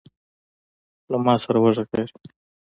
له ما سره وغږیږﺉ .